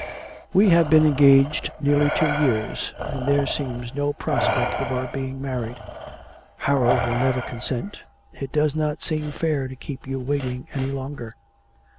'We have been engaged nearly two years, and there seems no prospect of our being married. Harold will never consent. It does not seem fair to keep you waiting any longer.'